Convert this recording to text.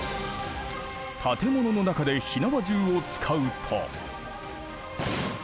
建物の中で火縄銃を使うと。